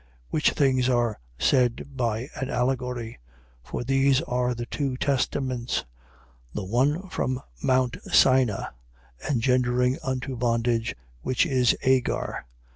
4:24. Which things are said by an allegory. For these are the two testaments. The one from Mount Sina, engendering unto bondage, which is Agar.